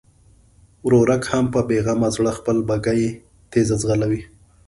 ورورک هم په بېغمه زړه خپله بګۍ تېزه ځغلوي.